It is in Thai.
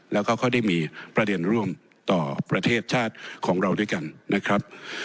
แล้วก็ค่อยได้มีประเด็นร่วมต่อประเทศชาติของเราด้วยกันนะครับ